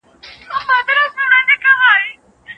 د ژوند شرایط باید په صبر ومنل شي.